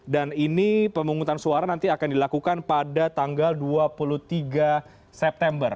dan ini pemungutan suara nanti akan dilakukan pada tanggal dua puluh tiga september